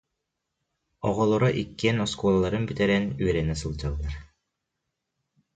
Оҕолоро иккиэн оскуолаларын бүтэрэн, үөрэнэ сылдьаллар